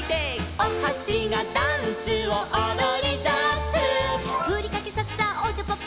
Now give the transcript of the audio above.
「おはしがダンスをおどりだす」「ふりかけさっさおちゃぱっぱ」